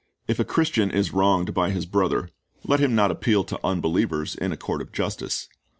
If a Christian is wronged by his brother, let him not appeal to unbelievers in a court of justice.